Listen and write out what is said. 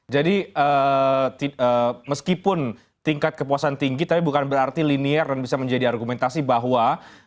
jadi meskipun tingkat kepuasan tinggi tapi bukan berarti linier dan bisa menjadi argumentasi bahwa